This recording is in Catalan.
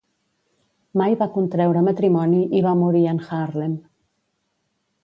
Mai va contreure matrimoni i va morir en Haarlem.